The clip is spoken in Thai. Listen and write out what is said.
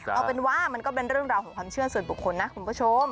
เอาเป็นว่ามันก็เป็นเรื่องราวของความเชื่อส่วนบุคคลนะคุณผู้ชม